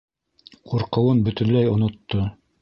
Ҡурҡыуын бөтөнләй онотто.